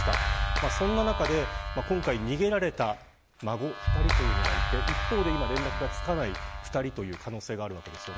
そんな中で今回、逃げられた孫２人がいて一方で、連絡がつかない２人がいるわけです。